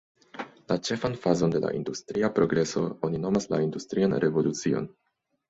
La ĉefan fazon de la industria progreso oni nomas la industrian revolucion.